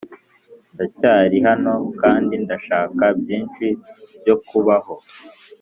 ndacyari hano kandi ndashaka byinshi byo kubaho,